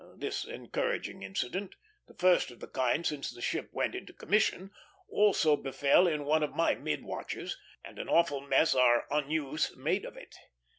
This encouraging incident, the first of the kind since the ship went into commission, also befell in one of my mid watches, and an awful mess our unuse made of it.